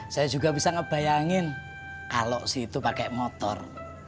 saya juga bisa ngebayangin kalau sih itu pakai motor